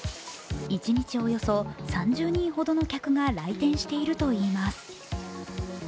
一日およそ３０人ほどの客が来店しているといいます。